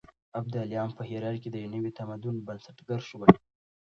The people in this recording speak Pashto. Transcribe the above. ابداليان په هرات کې د يو نوي تمدن بنسټګر شول.